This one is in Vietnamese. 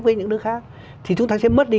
với những nước khác thì chúng ta sẽ mất đi